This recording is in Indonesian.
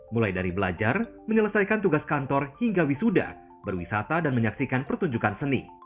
mulai dari belajar menyelesaikan tugas kantor hingga wisuda berwisata dan menyaksikan pertunjukan seni